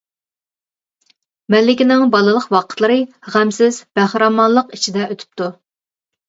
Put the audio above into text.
مەلىكىنىڭ بالىلىق ۋاقىتلىرى غەمسىز بەخىرامانلىق ئىچىدە ئۆتۈپتۇ.